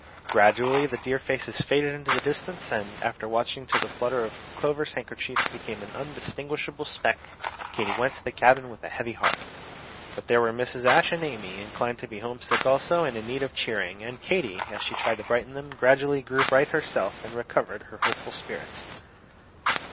Gradually the dear faces faded into distance; and after watching till the flutter of Clover's handkerchief became an undistinguishable speck, Katy went to the cabin with a heavy heart. But there were Mrs. Ashe and Amy, inclined to be homesick also, and in need of cheering; and Katy, as she tried to brighten them, gradually grew bright herself, and recovered her hopeful spirits.